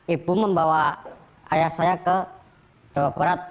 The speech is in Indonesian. ibu membawa ayah saya ke jawa barat